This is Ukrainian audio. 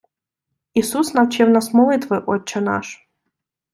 Ісус навчив нас молитви Отче наш.